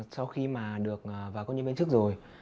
sau khi mà được vào công nhân viên chức rồi